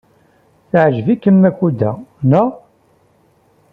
Teɛjeb-ikem Makuda, naɣ?